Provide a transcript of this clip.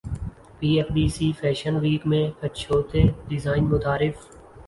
پی F D C fashion week میں اچھوتے design متعارف